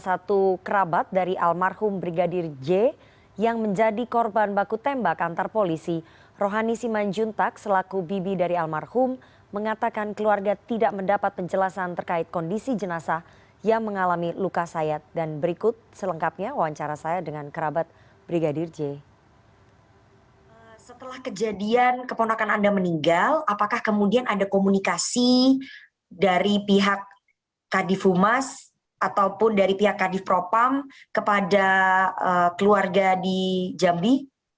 setelah kejadian keponakan anda meninggal apakah kemudian ada komunikasi dari pihak kadif umas ataupun dari pihak kadif propam kepada keluarga di jambi